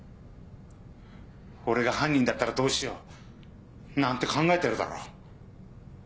俺が犯人だったらどうしようなんて考えてるだろう？